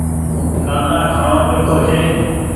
ڪآندآ کآڻو چوکو ڇي ۔